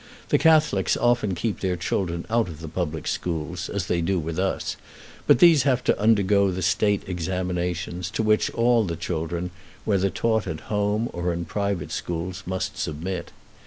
The Catholics often keep their children out of the public schools, as they do with us, but these have to undergo the State examinations, to which all the children, whether taught at home or in private schools, must submit.